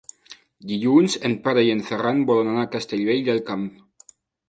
Dilluns en Pere i en Ferran volen anar a Castellvell del Camp.